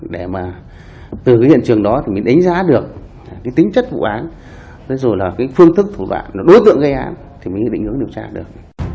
để mà từ hiện trường đó mình đánh giá được tính chất vụ án phương thức của vụ án đối tượng gây án thì mình định hướng điều tra được